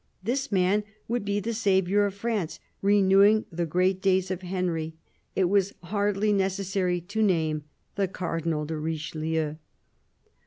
This man would be the saviour of France, renewing the great days of Henry. It was hardly necessary to name the Cardinal de Richelieu.